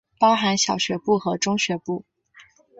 包含小学部和中学部。